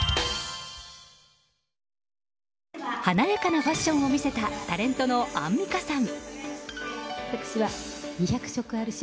華やかなファッションを見せたタレントのアンミカさん。